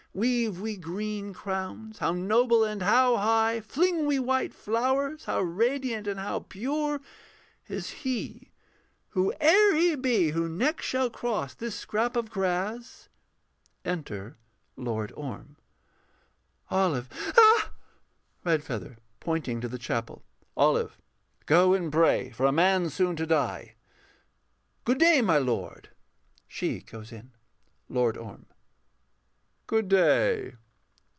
Weave we green crowns how noble and how high; Fling we white flowers how radiant and how pure Is he, whoe'er he be, who next shall cross This scrap of grass.... [_Enter LORD ORM. _] OLIVE. Ah! REDFEATHER [pointing to the chapel]. Olive, go and pray for a man soon to die. Good day, my Lord. [She goes in.] LORD ORM. Good day.